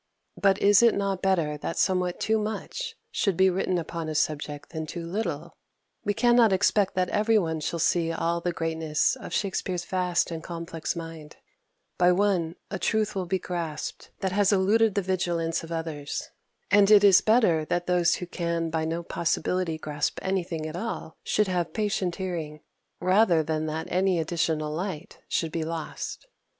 But is it not better that somewhat too much should be written upon such a subject than too little? We cannot expect that every one shall see all the greatness of Shakspere's vast and complex mind by one a truth will be grasped that has eluded the vigilance of others; and it is better that those who can by no possibility grasp anything at all should have patient hearing, rather than that any additional light should be lost.